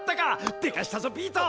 でかしたぞビート！